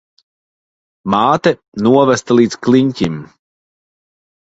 Māte novesta līdz kliņķim.